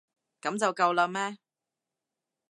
噉就夠喇咩？